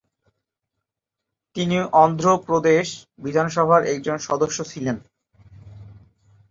তিনি অন্ধ্র প্রদেশ বিধানসভার একজন সদস্য ছিলেন।